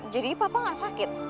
jadi papa gak sakit